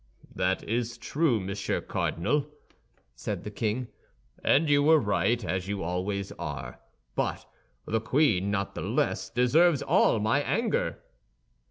"That is true, Monsieur Cardinal," said the king, "and you were right, as you always are; but the queen, not the less, deserves all my anger."